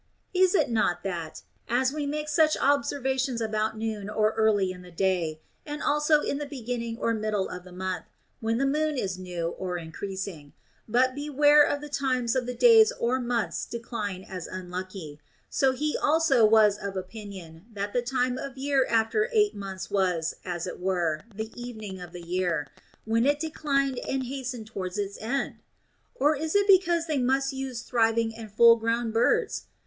Is it not that — as we make such observa tions about noon or early in the day, and also in the be ginning or middle of the month (when the moon is new or increasing), but beware of the times of the days or month's decline as unlucky — so he also was of opinion that the time of year after eight months was, as it were, the evening of the year, when it declined and hastened towards an end ? Or is it because they must use thriving and full grown birds